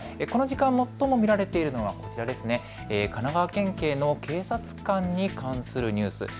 この時間、最も見られているのはこちら、神奈川県警の警察官に関するニュース。